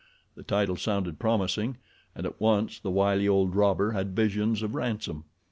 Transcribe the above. The title sounded promising, and at once the wily old robber had visions of ransom.